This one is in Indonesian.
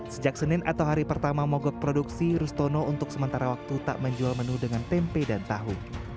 sejak senin atau hari pertama mogok produksi rustono untuk sementara waktu tak menjual menu dengan tempe dan tahu